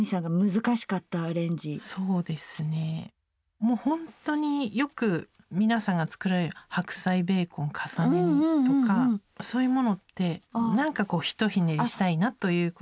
もうほんとによく皆さんが作られる「白菜ベーコン重ね煮」とかそういうものってなんかこう一ひねりしたいなということで。